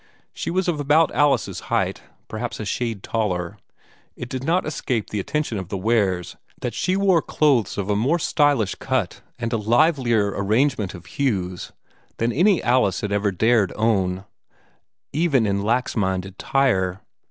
She was of about Alice's height, perhaps a shade taller. It did not escape the attention of the Wares that she wore clothes of a more stylish cut and a livelier arrangement of hues than any Alice had ever dared own, even in lax minded Tyre.